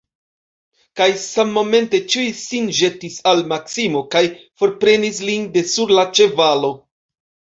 Kaj sammomente ĉiuj sin ĵetis al Maksimo kaj forprenis lin de sur la ĉevalo.